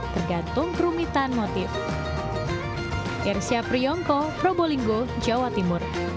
tergantung kerumitan motif